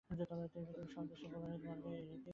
পৃথিবীর সর্বদেশেই পুরোহিতবর্গের এই রীতি।